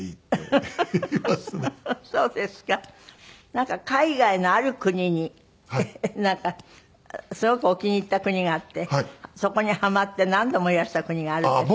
なんか海外のある国にすごくお気に入った国があってそこにハマって何度もいらした国があるんですって？